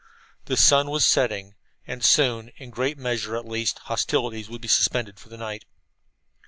The sun was setting, and soon, in great measure, at least, hostilities would be suspended for the night.